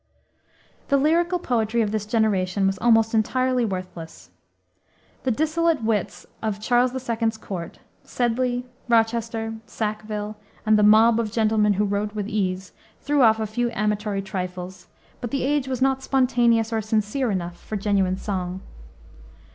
The lyrical poetry of this generation was almost entirely worthless. The dissolute wits of Charles the Second's court, Sedley, Rochester, Sackville, and the "mob of gentlemen who wrote with ease" threw off a few amatory trifles; but the age was not spontaneous or sincere enough for genuine song.